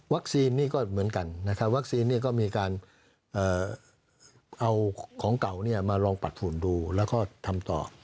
วัคซีนนี่ก็เหมือนกันวัคซีนนี่ก็มีการเอาของเก่ามาลองปัดฟูนดูแล้วก็ทำต่อ